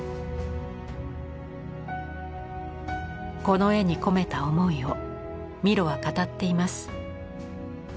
この絵に込めた思いをミロは語っています。